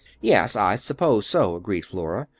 "Yes, I suppose so," agreed Flora.